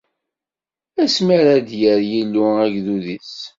Asmi ara d-yerr Yillu agdud-is.